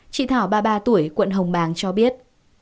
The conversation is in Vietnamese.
chị thảo ba mươi ba tuổi quận hồng bàng cho biết